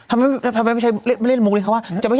ทำไมไม่เล่นมุมเลยคำว่า